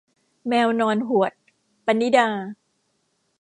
แมวนอนหวด - ปณิดา